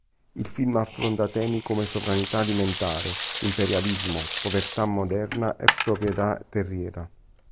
Il film affronta temi come sovranità alimentare, imperialismo, povertà moderna e proprietà terriera.